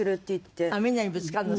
みんなにぶつかるの？